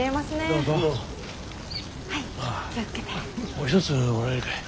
もう一つもらえるかい。